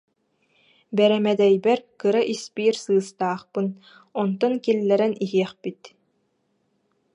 Бэрэмэдэйбэр кыра испиир сыыстаахпын, онтон киллэрэн иһиэхпит